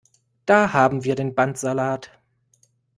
Da haben wir den Bandsalat!